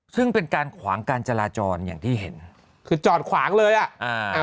ซึ่งเป็นการขวางการจราจรอย่างที่เห็นคือจอดขวางเลยอ่ะอ่า